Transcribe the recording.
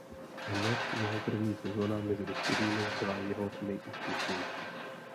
Hned jeho první sezóna mezi dospělými byla jeho nejúspěšnější.